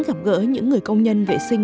gặp gỡ những người công nhân vệ sinh